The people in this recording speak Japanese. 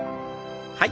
はい。